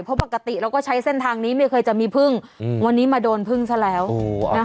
เพราะปกติเราก็ใช้เส้นทางนี้ไม่เคยจะมีพึ่งวันนี้มาโดนพึ่งซะแล้วนะคะ